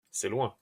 C’est loin.